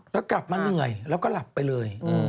แล้วกลับมาเหนื่อยแล้วก็หลับไปเลย